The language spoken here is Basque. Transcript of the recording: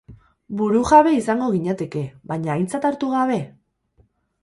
Burujabe izango ginateke, baina aintzat hartu gabe?